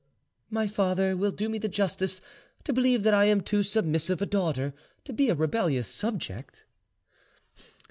"My father will do me the justice to believe that I am too submissive a daughter to be a rebellious subject."